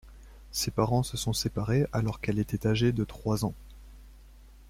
Ses parents se sont séparés alors qu'elle était âgée de trois ans.